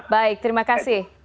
baik terima kasih